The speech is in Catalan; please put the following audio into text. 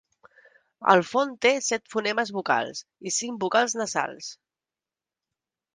El fon té set fonemes vocals i cinc vocals nasals.